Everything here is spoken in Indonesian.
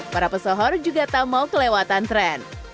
para pesohor juga tamau kelewatan tren